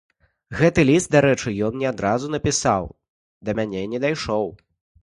Гэты ліст, дарэчы, дзе ён адразу гэта напісаў, да мяне не дайшоў.